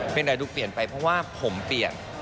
เป็นอะไรดูเปลี่ยนไปเพราะว่าผมเปลี่ยน